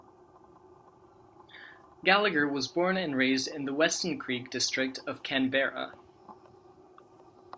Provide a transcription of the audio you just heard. Gallagher was born and raised in the Weston Creek district of Canberra.